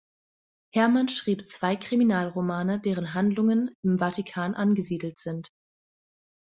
Herrmann schrieb zwei Kriminalromane, deren Handlungen im Vatikan angesiedelt sind.